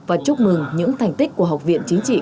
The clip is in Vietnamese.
và chúc mừng những thành tích của học viện chính trị